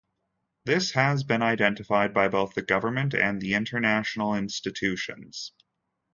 This has been identified by both the Government and the international institutions.